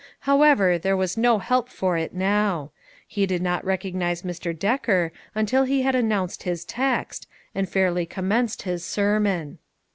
However, there was no help for it now; he did not recognize Mr. Decker until he had announced his text, and fairly commenced his sermon.